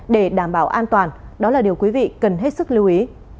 để đảm bảo an toàn đó là điều quý vị cần hết sức lưu ý